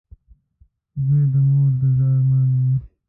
• زوی د مور د زړۀ ارمان وي.